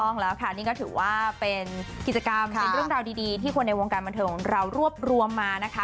ต้องแล้วค่ะนี่ก็ถือว่าเป็นกิจกรรมเป็นเรื่องราวดีที่คนในวงการบันเทิงของเรารวบรวมมานะคะ